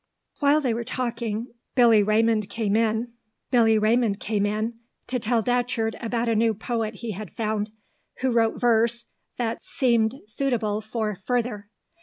While they were talking, Billy Raymond came in, to tell Datcherd about a new poet he had found, who wrote verse that seemed suitable for Further.